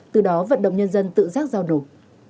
từ đó vận động nhân dân tự giác giao nổ